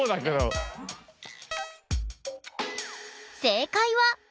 正解は。